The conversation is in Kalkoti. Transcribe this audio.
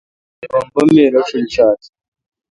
تے بمبئ می راݭل ݭات۔